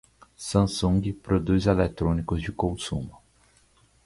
Samsung produz eletrônicos de consumo.